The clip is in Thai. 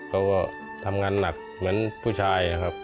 เขาก็ทำงานหนักเหมือนผู้ชายนะครับ